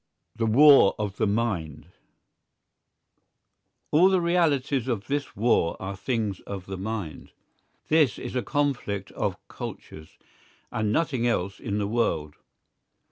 XI THE WAR OF THE MIND All the realities of this war are things of the mind. This is a conflict of cultures, and nothing else in the world.